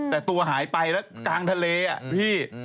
แต่ตัวหายไปแล้วกลางทะเลอ่ะพี่